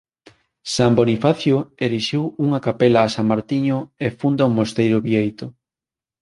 San Bonifacio erixiu unha capela a San Martiño e funda un mosteiro bieito.